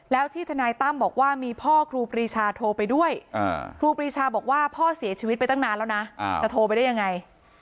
แล้วที่ทนายตั้มบอกว่ามีพ่อครูปรีชาโทรไปด้วยครูปรีชาบอกว่าพ่อเสียชีวิตไปตั้งนานแล้วนะจะโทรไปได้ยังไง